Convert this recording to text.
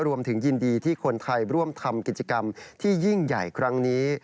ยินดีที่คนไทยร่วมทำกิจกรรมที่ยิ่งใหญ่ครั้งนี้